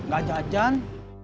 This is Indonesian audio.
gak ada ajan